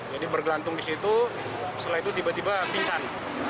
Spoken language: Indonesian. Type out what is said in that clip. jadi bergelantung di situ setelah itu tiba tiba pingsan